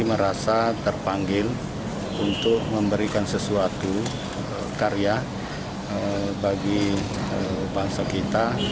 saya merasa terpanggil untuk memberikan sesuatu karya bagi bangsa kita